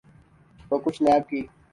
تو کچھ نیب کی۔